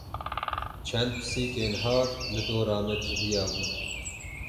Çend pisîkên har li dora me civiyabûn.